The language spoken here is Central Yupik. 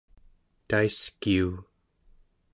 taiskiu